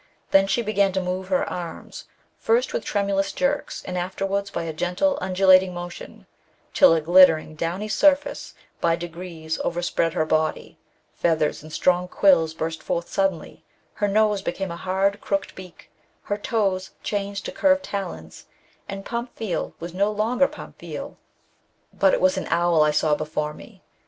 Then she began to move her arms, first with tremulous jerks, and afterwards by a gentle undulating motion, till a glittering, downy surface by degrees overspread her body, feathers and strong quills burst forth suddenly, her nose became a hard crooked beak, her toes changed to curved talons, and Pamphile was no longer Pamphile, but it was an owl I saw before me.